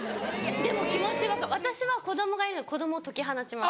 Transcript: でも気持ち分かる私は子供がいるので子供を解き放ちます。